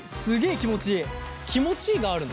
気持ちいいがあるの？